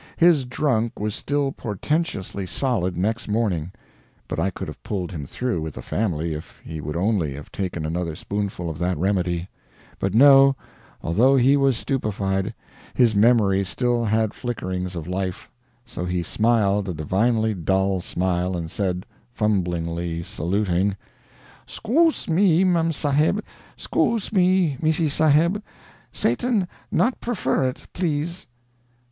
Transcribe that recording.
His drunk was still portentously solid next morning, but I could have pulled him through with the family if he would only have taken another spoonful of that remedy; but no, although he was stupefied, his memory still had flickerings of life; so he smiled a divinely dull smile and said, fumblingly saluting: "Scoose me, mem Saheb, scoose me, Missy Saheb; Satan not prefer it, please."